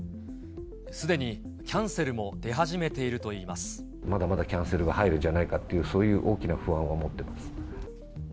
すでにキャンセルも出始めてまだまだキャンセルが入るんじゃないかっていう、そういう大きな不安を持っています。